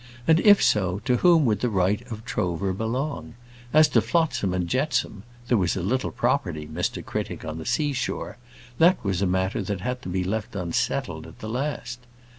and, if so, to whom would the right of trover belong? As to flotsam and jetsam there was a little property, Mr Critic, on the sea shore that was a matter that had to be left unsettled at the last.